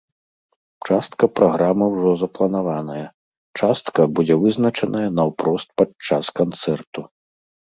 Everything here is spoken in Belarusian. Частка праграмы ўжо запланаваная, частка будзе вызначаная наўпрост падчас канцэрту.